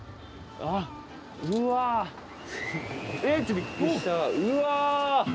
あっうわ！